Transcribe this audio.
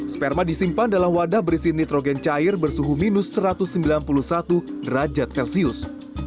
sperma disimpan dalam wadah berisi nitrogen cair bersuhu minus satu ratus sembilan puluh satu derajat celcius